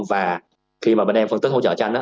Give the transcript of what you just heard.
và khi mà bên em phân tích hỗ trợ cho anh đó